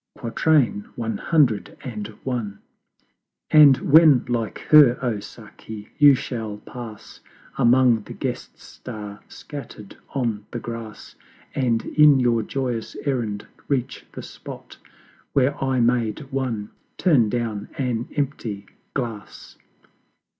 CI. And when like her, oh Saki, you shall pass Among the Guests Star scatter'd on the Grass, And in your joyous errand reach the spot Where I made One turn down an empty Glass!